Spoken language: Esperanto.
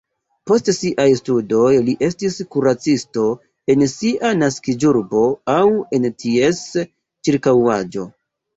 Post siaj studoj li estis kuracisto en sia naskiĝurbo aŭ en ties ĉirkaŭaĵo.